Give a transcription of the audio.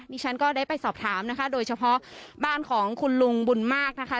ฉันก็ได้ไปสอบถามนะคะโดยเฉพาะบ้านของคุณลุงบุญมากนะคะ